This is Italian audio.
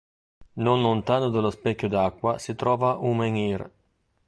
Non lontano dallo specchio d'acqua si trova un menhir.